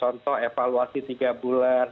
contoh evaluasi tiga bulan